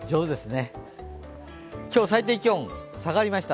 今日、最低気温、下がりました。